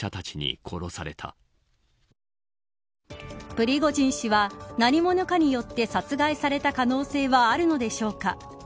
プリゴジン氏は何者かによって殺害された可能性はあるのでしょうか。